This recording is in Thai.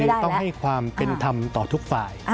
คือต้องให้ความเป็นธรรมต่อทุกฝ่าย